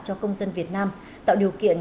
cho công dân việt nam tạo điều kiện